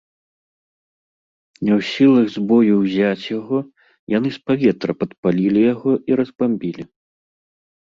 Не ў сілах з бою ўзяць яго, яны з паветра падпалілі яго і разбамбілі.